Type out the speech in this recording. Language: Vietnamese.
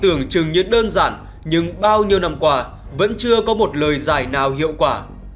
tưởng chừng như đơn giản nhưng bao nhiêu năm qua vẫn chưa có một lời giải nào hiệu quả